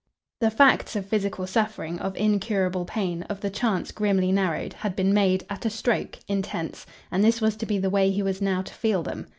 The facts of physical suffering, of incurable pain, of the chance grimly narrowed, had been made, at a stroke, intense, and this was to be the way he was now to feel them.